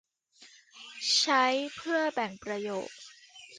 ใช้เพื่อแบ่งประโยค